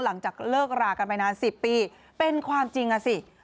หลังจากเลิกรากันไปนาน๑๐ปีเป็นความจริงอ่ะสิ